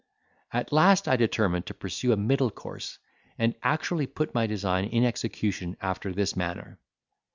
At last I determined to pursue a middle course, and actually put my design in execution after this manner.